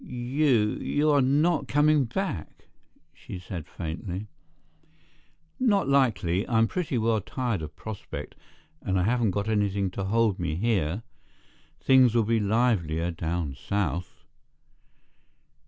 "You—you are not coming back?" she said faintly. "Not likely. I'm pretty well tired of Prospect and I haven't got anything to hold me here. Things'll be livelier down south."